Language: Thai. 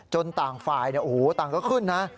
ต่างฝ่ายต่างก็ขึ้นนะ